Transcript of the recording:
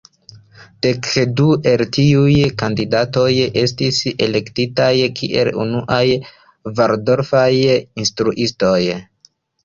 Dek du el tiuj kandidatoj estis elektitaj kiel unuaj valdorfaj instruistoj.